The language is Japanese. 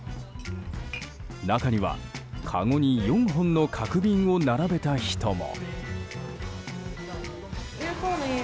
中には、かごに４本の角瓶を並べた人も。